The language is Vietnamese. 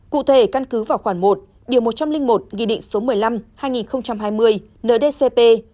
cụ thể căn cứ vào khoảng một điều một trăm linh một nghị định số một mươi năm hai nghìn hai mươi ndcp